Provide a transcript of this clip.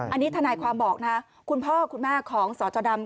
อันนี้ทนายความบอกนะคุณพ่อคุณแม่ของสจดำ